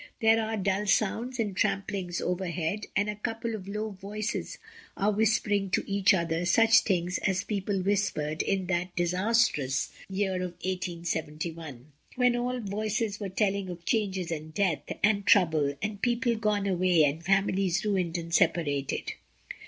There are dull sounds and tramplings overhead, and a couple of low voices are whispering to each other such things as people whispered in that disastrous l6o MRS. DYMOND. year of 187 1, when all voices were telling of changes and death, and trouble, and people gone away and families ruined and separated.